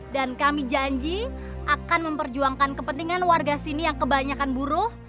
dan kami janji akan memperjuangkan kepentingan warga sini yang kebanyakan buruh